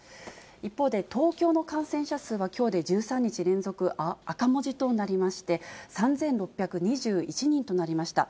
一方で東京の感染者数は、きょうで１３日連続赤文字となりまして、３６２１人となりました。